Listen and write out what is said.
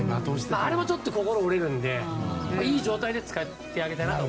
あれもちょっと心が折れるのでいい状態で使ってあげたいなって。